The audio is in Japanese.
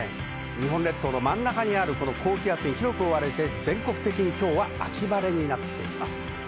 日本列島の真ん中にある高気圧に覆われて全国的に秋晴れになっています。